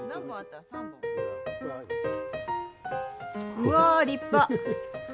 うわ立派！